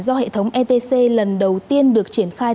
do hệ thống etc lần đầu tiên được triển khai